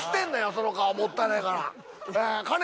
その顔もったいないからえかね